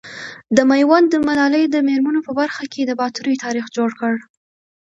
د ميوند ملالي د مېرمنو په برخه کي د باتورئ تاريخ جوړ کړ .